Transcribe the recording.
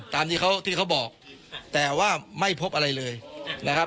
ตามที่เขาที่เขาบอกแต่ว่าไม่พบอะไรเลยนะครับ